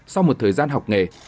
sau một thời gian học nghề